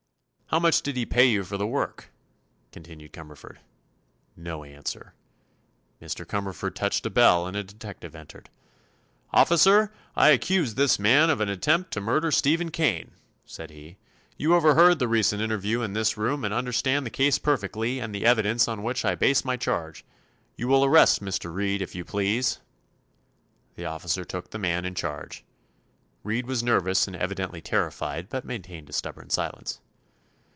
"How much did he pay you for the work?" continued Cumberford. No answer. Mr. Cumberford touched a bell and a detective entered. "Officer, I accuse this man of an attempt to murder Stephen Kane," said he. "You overheard the recent interview in this room and understand the case perfectly and the evidence on which I base my charge. You will arrest Mr. Reed, if you please." The officer took the man in charge. Reed was nervous and evidently terrified, but maintained a stubborn silence.